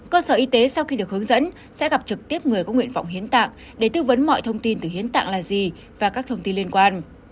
cơ sở y tế sau khi được hướng dẫn sẽ gặp trực tiếp người có nguyện vọng hiến tạng để tư vấn mọi thông tin từ hiến tạng là gì và các thông tin liên quan